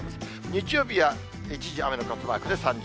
日曜日は一時雨の傘マークで３０度。